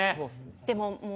でももう。